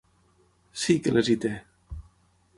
Sí, que les hi té.